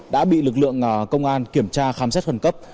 đã bị lực lượng công an kiểm tra khám xét khẩn cấp